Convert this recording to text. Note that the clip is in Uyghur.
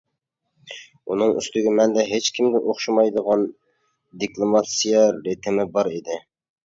ئۇنىڭ ئۈستىگە، مەندە ھېچكىمگە ئوخشىمايدىغان دېكلاماتسىيە رىتىمى بار ئىدى.